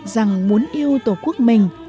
rằng muốn yêu tổ quốc mình